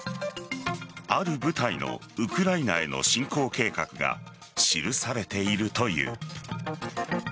ある部隊のウクライナへの侵攻計画が記されているという。